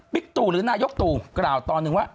ตู่หรือนายกตู่กล่าวตอนหนึ่งว่า